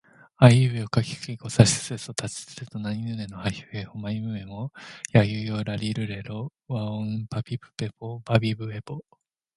あいうえおかきくけこさしすせそたちつてとなにぬねのはひふへほまみむめもやゆよらりるれろわおんぱぴぷぺぽばびぶべぼ